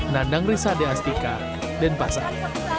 nandang risa de astica denpasar